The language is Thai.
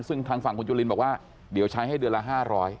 ซึ่งทางฝั่งคุณจุลินบอกว่าเดี๋ยวใช้ให้เดือนละ๕๐๐